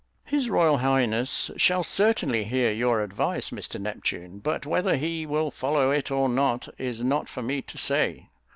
"His royal highness shall certainly hear your advice, Mr Neptune; but whether he will follow it or not is not for me to say.